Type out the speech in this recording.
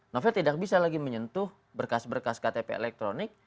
novel tidak bisa lagi menyentuh berkas berkas ktp elektronik